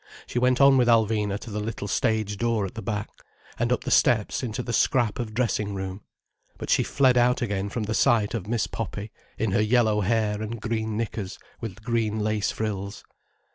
She went on with Alvina to the little stage door at the back, and up the steps into the scrap of dressing room. But she fled out again from the sight of Miss Poppy in her yellow hair and green knickers with green lace frills.